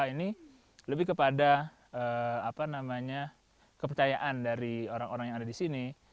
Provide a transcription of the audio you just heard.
ini lebih kepada kepercayaan dari orang orang yang ada di sini